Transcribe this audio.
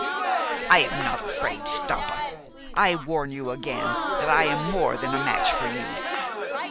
"I am not afraid, Stampa. I warn you again that I am more than a match for you.